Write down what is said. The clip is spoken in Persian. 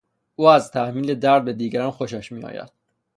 او از تحمیل درد به دیگران خوشش میآید.